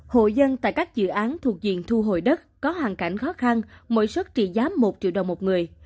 hộ dân tại các dự án thuộc diện thu hồi đất có hoàn cảnh khó khăn mỗi xuất trị giá một triệu đồng một người